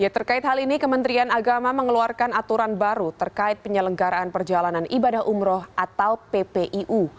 terkait hal ini kementerian agama mengeluarkan aturan baru terkait penyelenggaraan perjalanan ibadah umroh atau ppiu